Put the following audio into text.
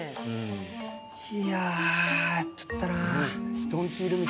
いやあ、やっちゃったな。